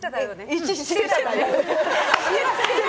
一致してたよね？